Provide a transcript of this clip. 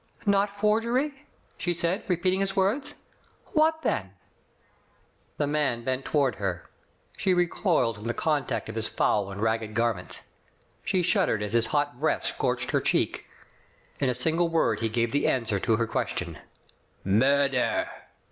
"Not forgery? she said, repeating his words. •'What then?*' Digitized by Google CLO. GRAVES, 23$ The man bent toward her. She recoiled from the contact of his foul and ragged garments. She shuddered as his hot breath scorched her cheek. In a single word he gave the answer to her question: "Murder!"